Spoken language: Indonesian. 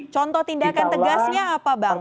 contoh tindakan tegasnya apa bang